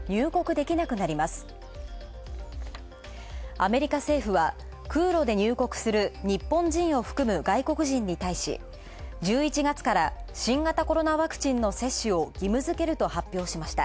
アメリカ政府は空路で入国する日本人を含む外国人に対し、１１月から新型コロナワクチンの接種を義務付けると発表。